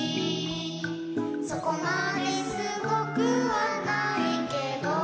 「そこまですごくはないけど」